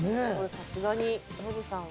さすがにノブさんは。